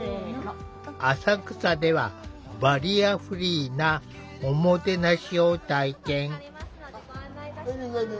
浅草ではバリアフリーな“おもてなし”を体験。